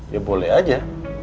ya boleh aja